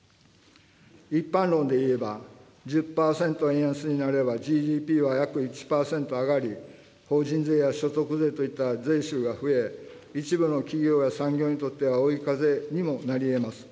一般論でいえば、１０％円安になればＧＤＰは約１％上がり、法人税や所得税といった税収が増え、一部の企業や産業にとっては追い風にもなりえます。